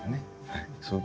はい。